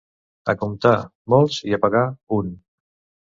A comptar, molts, i a pagar, un.